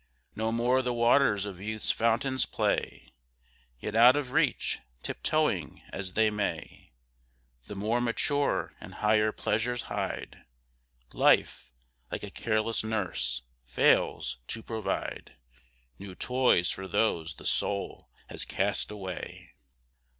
No more the waters of youth's fountains play; Yet out of reach, tiptoeing as they may, The more mature and higher pleasures hide. Life, like a careless nurse, fails to provide New toys for those the soul has cast away.